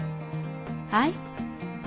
はい。